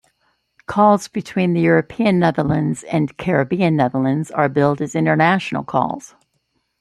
Calls between the European Netherlands and Caribbean Netherlands are billed as international calls.